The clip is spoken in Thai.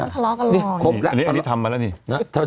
ทะเลาะกันร้อยนี่ครบแล้วอันนี้อันนี้ทำมาแล้วนี่เนอะ